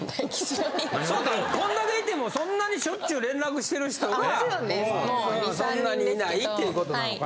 こんだけいてもそんなにしょっちゅう連絡してる人がそんなにいないっていう事なのかな？